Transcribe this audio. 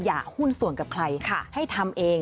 หุ้นส่วนกับใครให้ทำเอง